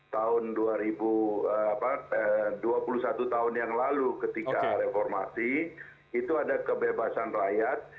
tahun dua ribu dua puluh satu tahun yang lalu ketika reformasi itu ada kebebasan rakyat